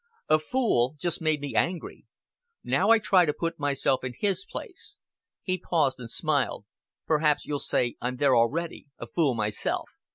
A fool just made me angry. Now I try to put myself in his place." He paused, and smiled. "Perhaps you'll say I'm there already a fool myself."